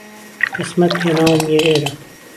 قیسمەت هێناومیه ئیره